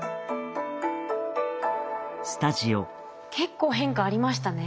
結構変化ありましたね。